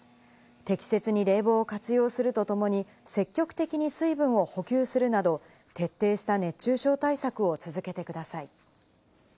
適切に冷房を活用するとともに、積極的に水分を補給するなど、徹底した熱中症対策を続けてください。